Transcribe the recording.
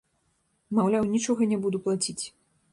Маўляў, нічога не буду плаціць.